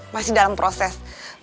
masih dalam proses